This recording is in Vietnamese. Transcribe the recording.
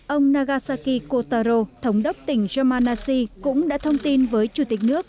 ông nagasaki kotaro thống đốc tỉnh jamanasi cũng đã thông tin với chủ tịch nước